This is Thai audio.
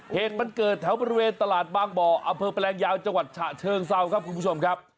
เหตุมันเกิดแถวบริเวณตลาดบางบ่ออำเภอแปลงยาวจังหวัดฉะเชิงเซาครับคุณผู้ชมครับ